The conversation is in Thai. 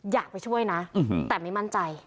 อยากไปช่วยนะแต่ไม่มั่นใจ